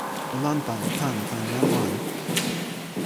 o lanpan e pan tan jan wan.